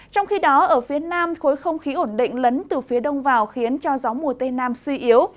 trong khi đó ở phía nam khối không khí ổn định lấn từ phía đông vào khiến cho gió mùa tây nam suy yếu